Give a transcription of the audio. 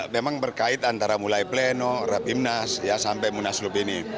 memang berkait antara mulai pleno rapimnas sampai munaslup ini